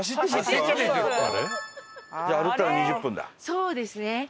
そうですね。